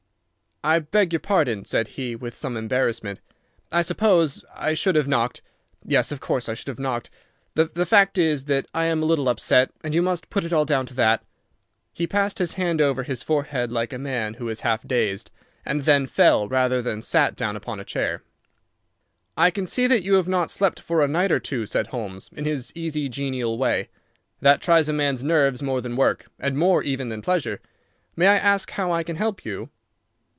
"I beg your pardon," said he, with some embarrassment; "I suppose I should have knocked. Yes, of course I should have knocked. The fact is that I am a little upset, and you must put it all down to that." He passed his hand over his forehead like a man who is half dazed, and then fell rather than sat down upon a chair. "I can see that you have not slept for a night or two," said Holmes, in his easy, genial way. "That tries a man's nerves more than work, and more even than pleasure. May I ask how I can help you?"